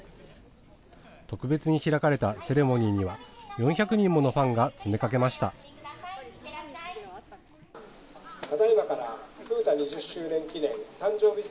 特別に開かれたセレモニーには４００人ものファンが詰め掛けました。